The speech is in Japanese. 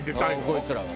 こいつらは。